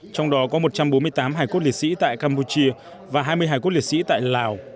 trong đó có một trăm bốn mươi tám hải cốt liệt sĩ tại campuchia và hai mươi hải cốt liệt sĩ tại lào